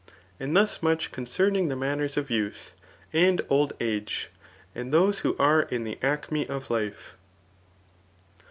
And thus much cbn > cemiiig the manners of youth^ and old age, and those who are in the acme of life.